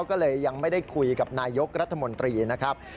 ก็เลยยังไม่ได้คุยกับนายกรัฐมนตรีนะครับ